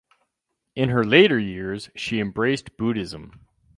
In her later years she embraced Buddhism.